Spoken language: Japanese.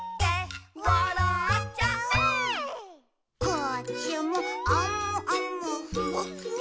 「こっちもあむあむふわっふわ」